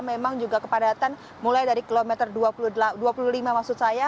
memang juga kepadatan mulai dari kilometer dua puluh lima maksud saya